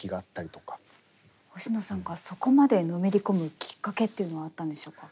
星野さんがそこまでのめり込むきっかけっていうのはあったんでしょうか？